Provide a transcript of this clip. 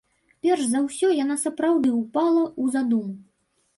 Перш за ўсё яна сапраўды ўпала ў задуму.